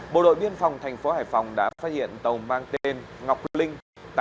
bộ đội biên phòng thành phố hải phòng đã phát hiện tàu mang tên ngọc linh tám mươi năm